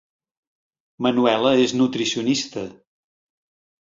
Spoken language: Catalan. Manuela és nutricionista